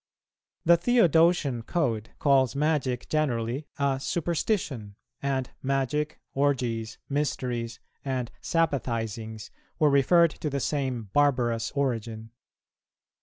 The Theodosian Code calls magic generally a "superstition;" and magic, orgies, mysteries, and "sabbathizings," were referred to the same "barbarous" origin.